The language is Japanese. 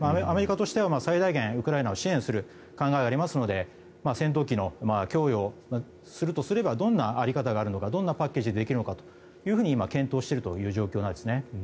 アメリカとしては最大限ウクライナを支援する考えがありますので戦闘機の供与をするとすればどんな在り方があるのかどんなパッケージでできるのか今検討しているという状況なんですね。